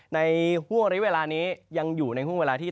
ห่วงริเวลานี้ยังอยู่ในห่วงเวลาที่